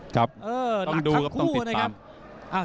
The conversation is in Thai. ครับถ้าที่ดูก็ต้องติดตาม